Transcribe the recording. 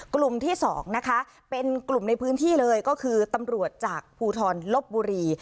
กลุ่มที่๒นะคะเป็นกลุ่มในพื้นที่เลยก็คือตำรวจจากภูทรลบบุรี